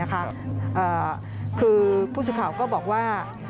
คือผู้สื่อข่าวก็บอกว่า